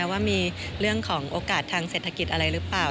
ว่ามีเรื่องของโอกาสทางเศรษฐกิจอะไรหรือเปล่า